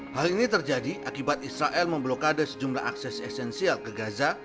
hal ini terjadi akibat israel memblokade sejumlah akses esensial ke gaza